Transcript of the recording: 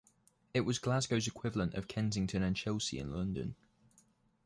It was Glasgow's equivalent of Kensington and Chelsea in London.